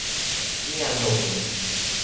mi jan Lopin.